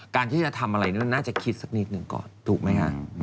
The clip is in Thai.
การที่จะทำอะไรน่าจะคิดสักนิดหนึ่งก่อนถูกไหมฮะ